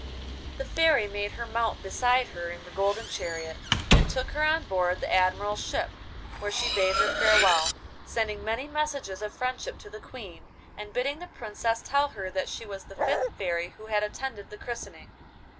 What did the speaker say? The Fairy made her mount beside her in the golden chariot, and took her on board the Admiral's ship, where she bade her farewell, sending many messages of friendship to the Queen, and bidding the Princess tell her that she was the fifth Fairy who had attended the christening.